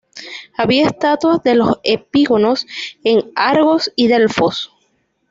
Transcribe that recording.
Había estatuas de los epígonos en Argos y Delfos.